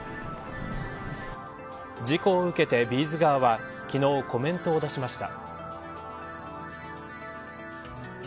事故を受けて、Ｂ’ｚ側は昨日、コメントを出しました。